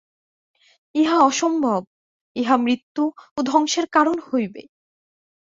ইহা অসম্ভব, ইহা মৃত্যু ও ধ্বংসের কারণ হইবে।